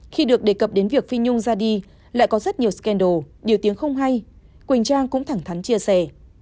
khi được đề cập đến việc phi nhung ra đi lại có rất nhiều skendal điều tiếng không hay quỳnh trang cũng thẳng thắn chia sẻ